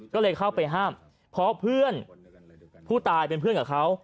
ก็เลยเข้าไปห้ามเพราะเพื่อนผู้ตายเป็นเพื่อนกับเขา